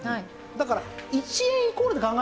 だから。